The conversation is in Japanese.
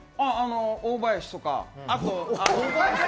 大林とか。